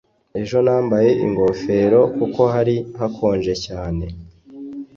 Ejo nambaye ingofero kuko hari hakonje cyane